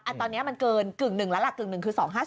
ตอนนี้มันเกินกึ่งหนึ่งแล้วล่ะกึ่งหนึ่งคือ๒๕๓